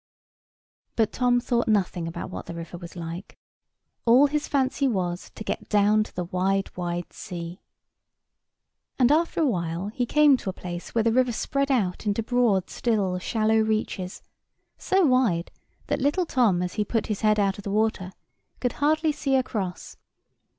But Tom thought nothing about what the river was like. All his fancy was, to get down to the wide wide sea. And after a while he came to a place where the river spread out into broad still shallow reaches, so wide that little Tom, as he put his head out of the water, could hardly see across.